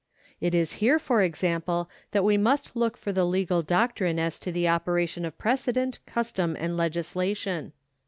It is here, for example, that we must look for the legal doctrine as to the operation of precedent, custom, and legislation.